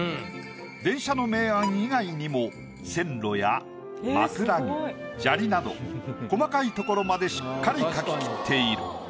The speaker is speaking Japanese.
電車の明暗以外にも線路や枕木砂利など細かいところまでしっかり描ききっている。